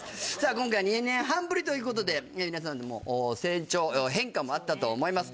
今回２年半ぶりということで皆さんにも成長変化もあったと思います